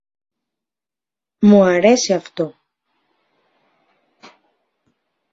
όπως νωρίτερα